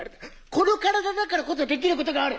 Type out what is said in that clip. この体だからこそできることがある！